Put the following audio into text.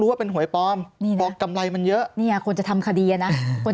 รู้ว่าเป็นหวยปลอมปลอกกำไรมันเยอะนี่ควรจะทำคดีนะควร